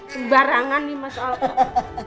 kebarangan nih mas alfa